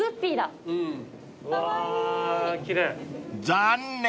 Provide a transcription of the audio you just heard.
［残念！